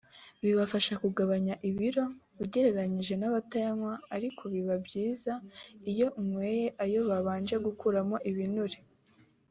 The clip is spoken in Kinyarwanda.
bibafasha kugabanya ibiro ugereranije n’abatayanywa ariko biba byiza iyo unyweye ayo babanje gukuramo ibinure (Low fat milk)